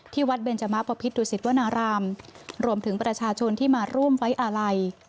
วัดเบนจมะปพิษดุสิตวนารามรวมถึงประชาชนที่มาร่วมไว้อาลัย